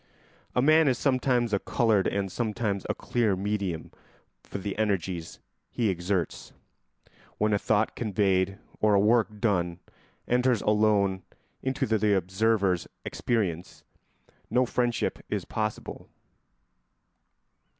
A man is sometimes a coloured and sometimes a clear medium for the energies he exerts. When a thought conveyed or a work done enters alone into the observer's experience, no friendship is possible.